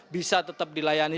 bisa tetap dilayani